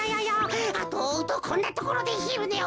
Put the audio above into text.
あとをおうとこんなところでひるねを。